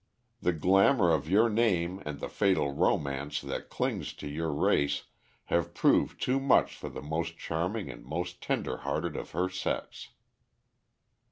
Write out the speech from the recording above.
The glamor of your name and the fatal romance that clings to your race have proved too much for the most charming and most tender hearted of her sex."